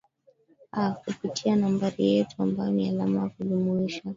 aah kupitia nambari yetu ambayo ni alama ya kujumulisha